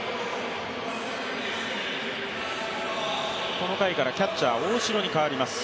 この回からキャッチャー、大城に代わります。